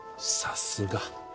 さすが。